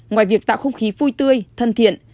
ngoài việc tạo không khí vui tươi thân thiện